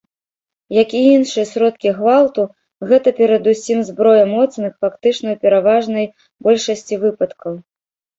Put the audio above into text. Як і іншыя сродкі гвалту, гэта перадусім зброя моцных, фактычна ў пераважнай большасці выпадкаў.